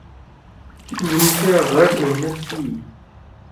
تی مُھنکیا غٹ محنت کی یی۔